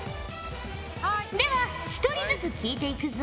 では１人ずつ聞いていくぞ。